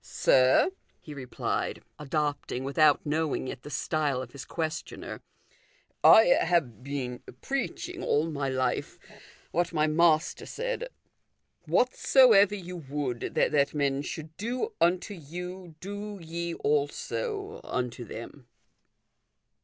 " Sir," he replied, adopting, without knowing it, the style of his questioner, " I have been preaching all my life what my Master said, * Whatsoever you would that men should do unto you, do ye also unto them.'